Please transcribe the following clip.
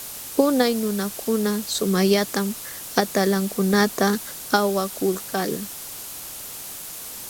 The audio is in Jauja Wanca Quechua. Unay nunakuna sumaqllatam atalankunata awakulkalqa.